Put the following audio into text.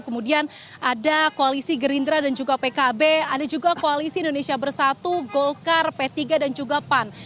kemudian ada koalisi gerindra dan juga pkb ada juga koalisi indonesia bersatu golkar p tiga dan juga pan